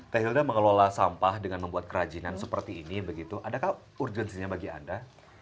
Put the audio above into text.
teh hilda mengelola sampah dengan membuat kerajinan seperti ini begitu adakah urgensinya bagi anda